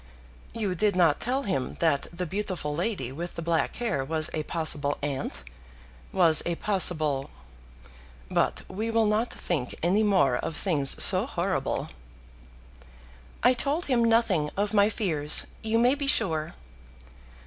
"You did not tell him that the beautiful lady with the black hair was a possible aunt, was a possible ? But we will not think any more of things so horrible." "I told him nothing of my fears, you may be sure."